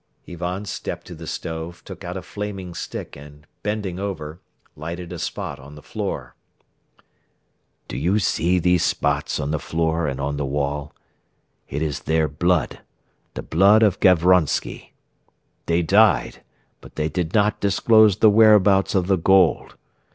Ivan stepped to the stove, took out a flaming stick and, bending over, lighted a spot on the floor. "Do you see these spots on the floor and on the wall? It is their blood, the blood of Gavronsky. They died but they did not disclose the whereabouts of the gold.